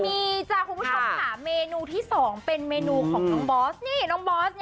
มีจ้ะคุณผู้ชมค่ะเมนูที่สองเป็นเมนูของล้องบอส